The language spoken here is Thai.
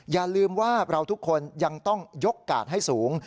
อย่าลืมว่าเราทุกคนยังต้องยกกาดให้สูง